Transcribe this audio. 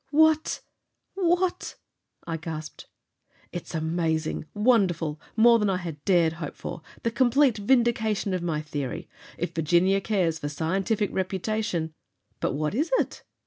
"What what " I gasped. "It's amazing! Wonderful! More than I had dared hope for! The complete vindication of my theory! If Virginia cares for scientific reputation " "But what is it?"